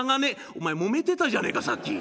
「お前もめてたじゃねえかさっき。